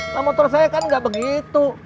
nah motor saya kan nggak begitu